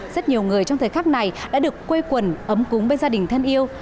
rất nhiều người trong thời khắc này đã được quê quần ấm cúng bên gia đình thân yêu